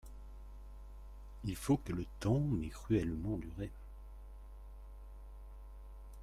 Il faut que le temps m'ait cruellement duré.